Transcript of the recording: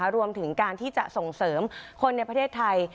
รวมถึงการที่จะส่งเสริมคนในประเทศไทย